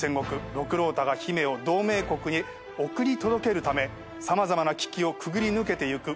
六郎太が姫を同盟国に送り届けるため様々な危機をくぐり抜けてゆく冒険活劇です。